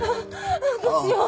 どうしよう！